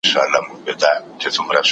که په خوړو کي مرچک زیات وي نو خوله سوځوي.